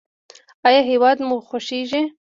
ایا هیواد مو خوښیږي؟